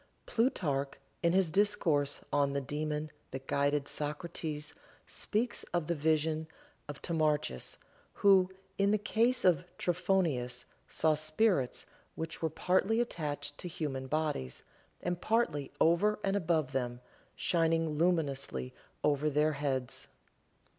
Plutarch in his discourse on the daemon that guided Socrates speaks of the vision of Timarchus, who, in the case of Trophonius, saw spirits which were partly attached to human bodies, and partly over and above them, shining luminously over their heads.